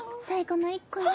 最後の一杯！